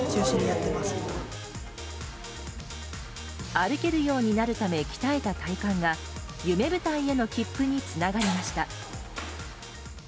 歩けるようになるため鍛えた体幹は夢舞台への切符につながりました。